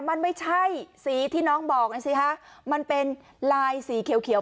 มันไม่ใช่สีที่น้องบอกนะสิฮะมันเป็นลายสีเขียวเขียว